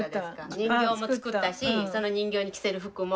人形も作ったしその人形に着せる服も。